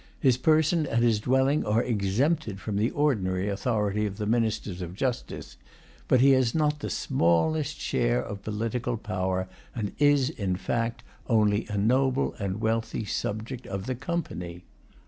His person and his dwelling are exempted from the ordinary authority of the ministers of justice. But he has not the smallest share of political power, and is, in fact, only a noble and wealthy subject of the Company.